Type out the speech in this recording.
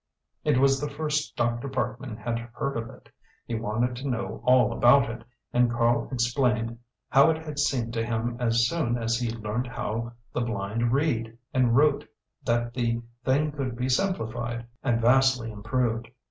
It was the first Dr. Parkman had heard of it; he wanted to know all about it, and Karl explained how it had seemed to him as soon as he learned how the blind read and wrote that the thing could be simplified and vastly improved.